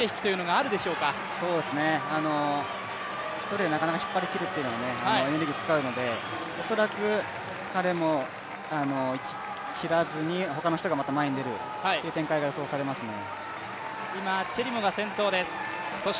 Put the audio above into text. １人でなかなか引っ張りきるというのはエネルギーを使うので恐らく彼も切らずに他の人が前に出るという展開が予想されますね。